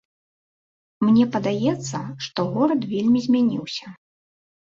Мне падаецца, што горад вельмі змяніўся.